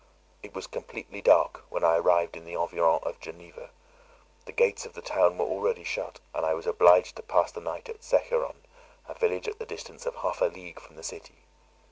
It was completely dark when I arrived in the environs of Geneva; the gates of the town were already shut; and I was obliged to pass the night at Secheron, a village at the distance of half a league from the city.